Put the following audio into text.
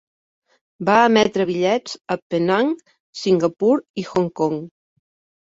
Va emetre bitllets a Penang, Singapur i Hong Kong.